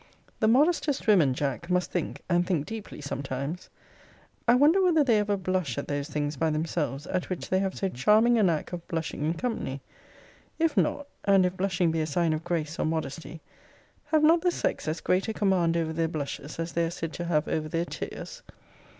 The modestest women, Jack, must think, and think deeply sometimes. I wonder whether they ever blush at those things by themselves, at which they have so charming a knack of blushing in company. If not; and if blushing be a sign of grace or modesty; have not the sex as great a command over their blushes as they are said to have over their tears?